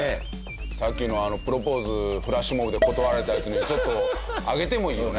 さっきのプロポーズフラッシュモブで断られたヤツにもちょっとあげてもいいよね。